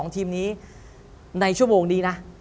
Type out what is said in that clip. ๒ทีมนี้ในชั่วโมงนี้นะ